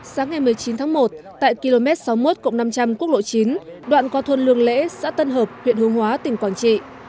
sáng ngày một mươi chín tháng một tại km sáu mươi một năm trăm linh quốc lộ chín đoạn qua thôn lương lễ xã tân hợp huyện hương hóa tỉnh quảng trị